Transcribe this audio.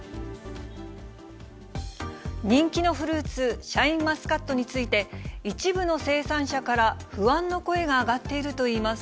人気のフルーツ、シャインマスカットについて、一部の生産者から不安の声が上がっているといいます。